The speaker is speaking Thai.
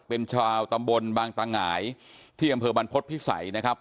เป็นชาวตำบลบางตาหงายที่อำเภอบรรพฤษภิษัยนะครับ